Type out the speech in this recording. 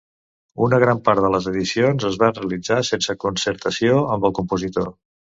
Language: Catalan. Una gran part de les edicions es van realitzar sense concertació amb el compositor.